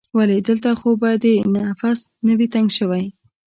ولې؟ دلته خو به دې نفس نه وي تنګ شوی؟